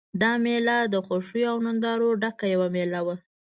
دا مېله د خوښیو او نندارو ډکه یوه مېله وه.